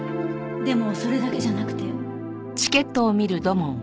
でもそれだけじゃなくて。